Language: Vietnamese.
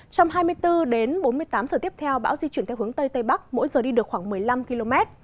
trong hai mươi bốn đến bốn mươi tám giờ tiếp theo bão di chuyển theo hướng tây tây bắc mỗi giờ đi được khoảng một mươi năm km